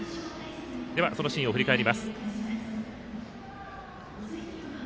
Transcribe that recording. そのシーンを振り返ります。